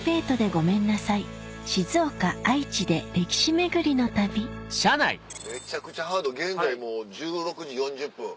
めちゃくちゃハード現在もう１６時４０分。